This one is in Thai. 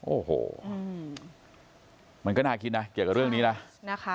โอ้โหมันก็น่าคิดนะเกี่ยวกับเรื่องนี้นะนะคะ